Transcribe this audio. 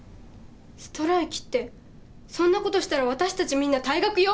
ストライキってそんなことしたら私たちみんな退学よ。